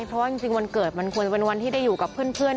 เพราะว่าจริงวันเกิดมันควรจะเป็นวันที่ได้อยู่กับเพื่อน